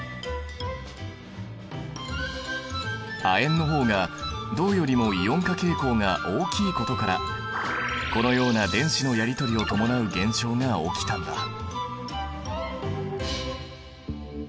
亜鉛の方が銅よりもイオン化傾向が大きいことからこのような電子のやり取りを伴う現象が起きたんだ。